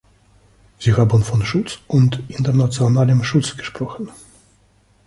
Sie haben von Schutz und internationalem Schutz gesprochen.